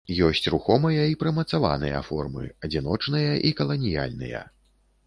Ёсць рухомыя і прымацаваныя формы, адзіночныя і каланіяльныя.